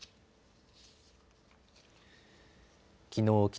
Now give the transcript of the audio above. きのう